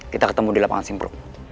kita ketemu di lapangan simpro